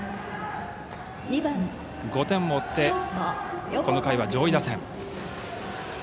５点を追ってこの回は上位打線。